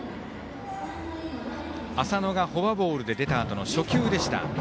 浅野がフォアボールで出たあとの初球でした。